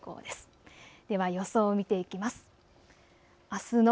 では予想を見ていきます。